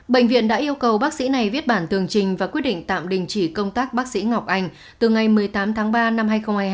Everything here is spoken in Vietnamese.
bệnh viện đã yêu cầu bác sĩ này viết bản tường trình và quyết định tạm đình chỉ công tác bác sĩ ngọc anh từ ngày một mươi tám tháng ba năm hai nghìn hai mươi hai